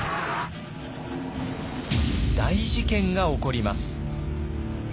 大事件が起こります。